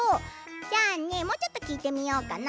じゃあねもうちょっときいてみようかな。